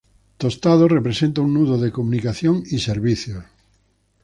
Tostado representa un nudo de comunicación y servicios.